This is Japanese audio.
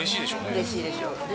うれしいでしょうね。